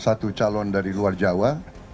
satu calon dari luar jawa